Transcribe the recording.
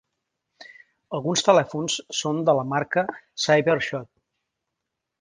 Alguns telèfons són de la marca Cyber-shot.